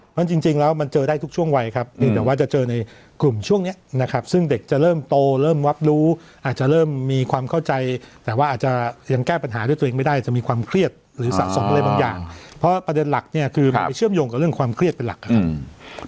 เพราะจริงแล้วมันเจอได้ทุกช่วงวัยครับเพียงแต่ว่าจะเจอในกลุ่มช่วงนี้นะครับซึ่งเด็กจะเริ่มโตเริ่มวับรู้อาจจะเริ่มมีความเข้าใจแต่ว่าอาจจะยังแก้ปัญหาด้วยตัวเองไม่ได้จะมีความเครียดหรือสะสมอะไรบางอย่างเพราะประเด็นหลักเนี่ยคือมันไปเชื่อมโยงกับเรื่องความเครียดเป็นหลักนะครับ